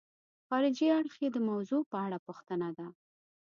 خارجي اړخ یې د موضوع په اړه پوښتنه ده.